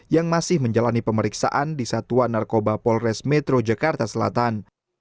yang masih menjalani pemeriksaan di satuan narkoba polres metro jakarta selatan